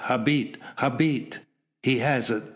Habet! Habet!" "He has it!"